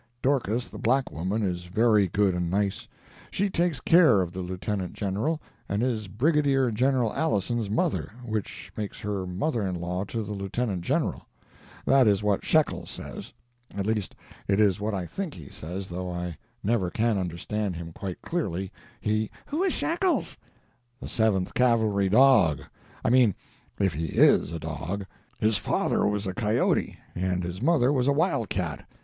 Dorcas, the black woman, is very good and nice; she takes care of the Lieutenant General, and is Brigadier General Alison's mother, which makes her mother in law to the Lieutenant General. That is what Shekels says. At least it is what I think he says, though I never can understand him quite clearly. He—" "Who is Shekels?" "The Seventh Cavalry dog. I mean, if he is a dog. His father was a coyote and his mother was a wild cat.